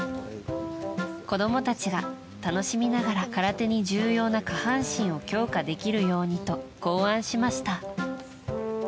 子供たちが楽しみながら空手に重要な下半身を強化できるようにと考案しました。